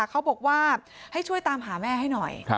เขาบอกว่าให้ช่วยตามหาแม่ให้หน่อย